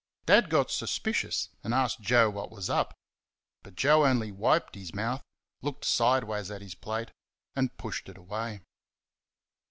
Dad got suspicious and asked Joe what was up; but Joe only wiped his mouth, looked sideways at his plate, and pushed it away.